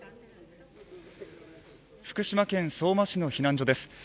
福島県相馬市の避難所です